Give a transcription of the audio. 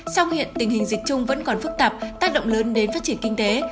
sau hiện tình hình dịch chung vẫn còn phức tạp tác động lớn đến phát triển kinh tế